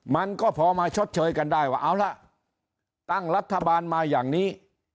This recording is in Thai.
มันก็พอมาชดเชยกันได้ว่าเอาล่ะตั้งรัฐบาลมาอย่างนี้